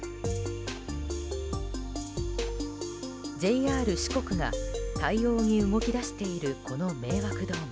ＪＲ四国が対応に動き出している、この迷惑動画。